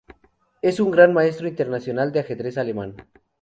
Es un Gran Maestro Internacional de ajedrez alemán.